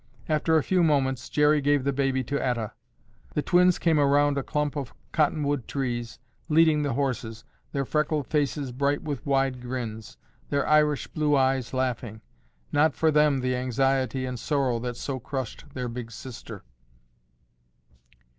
After a few moments Jerry gave the baby to Etta. The twins came around a clump of cottonwood trees leading the horses, their freckled faces bright with wide grins, their Irish blue eyes laughing. Not for them the anxiety and sorrow that so crushed their big sister.